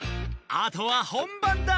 あとは本番だ！